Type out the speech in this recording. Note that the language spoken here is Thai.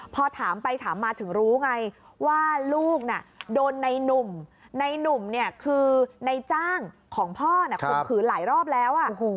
พอถามไปถามมาถึงรู้ไงว่าลูกน่ะโดนในนุ่มในหนุ่มเนี่ยคือในจ้างของพ่อข่มขืนหลายรอบแล้ว